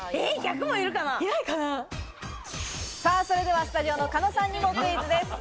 それではスタジオの狩野さんにもクイズです。